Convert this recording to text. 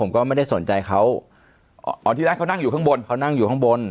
ไม่ทราบว่าเขาจะมาครับ